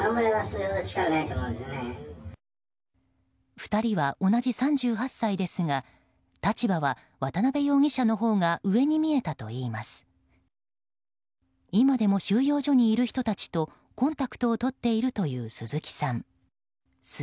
２人は同じ３８歳ですが立場は渡辺容疑者のほうが上に見えたといいます。